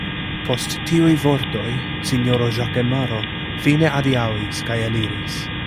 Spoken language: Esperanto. Post tiuj vortoj sinjoro Ĵakemaro fine adiaŭis kaj eliris.